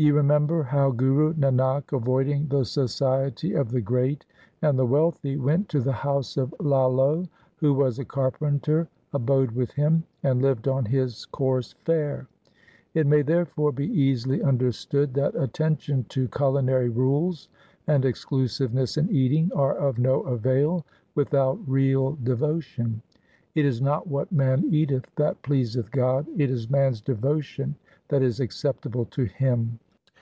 ' Ye remember how Guru Nanak avoiding the society of the great and the wealthy, went to the house of Lalo who was a carpenter, abode with him, and lived on his coarse fare. It may therefore be easily understood that attention to culinary rules and exclusiveness in eating are of no avail without real devotion. It is not what man eateth that pleaseth God. It is man's devotion that is acceptable to Him.'